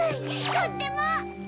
とっても！